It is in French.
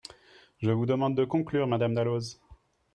Je vous demande de conclure, madame Dalloz.